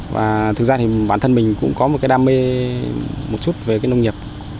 và thực ra thì bản thân mình cũng có một cái đam mê một chút về cái nông nghiệp